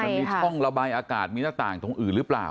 มันมีช่องระบายอากาศมีหน้าต่างตรงอื่นหรือเปล่า